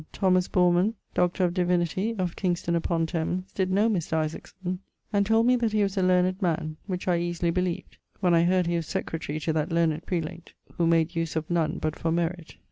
Memorandum: Bourman, Dr. of Divinity, of Kingston upon Thames, did know Mr. Isaacson, and told me that he was a learned man, which I easily believed when I heard he was secretary to that learned prelate, who made use of none but for merit.